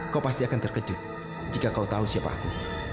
kau pasti akan terkejut jika kau tahu siapa aku